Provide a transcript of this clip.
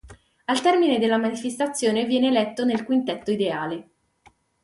Al termine della manifestazione viene eletto nel quintetto ideale.